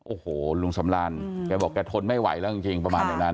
โอ้โหลุงสำรานแกบอกแกทนไม่ไหวแล้วจริงประมาณอย่างนั้น